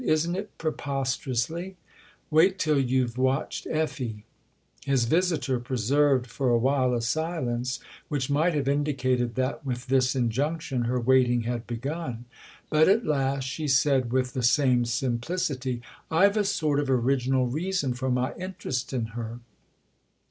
" Isn't it, preposter ously ? Wait till you've watched Effie !"^ His visitor preserved for a while a silence which might have indicated that, with this injunction, her THE OTHER HOUSE 93 waiting had begun ; but at last she said with the same simplicity :" I've a sort of original reason for my interest in her."